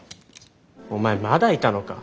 お前まだいたのか？